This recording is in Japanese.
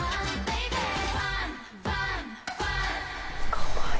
かわいい。